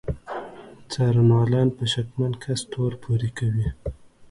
څارنوالان په شکمن کس تور پورې کوي.